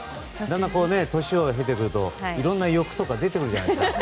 だんだん年を経てくるといろんな欲とか出てくるじゃないですか。